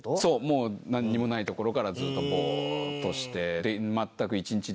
もうなんにもないところからずっとボーッとして。